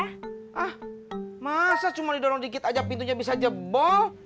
ah masa cuma didorong dikit aja pintunya bisa jebol